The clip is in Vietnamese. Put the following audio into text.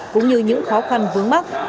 cũng như những khó khăn vướng mắt